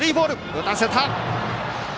打たせた。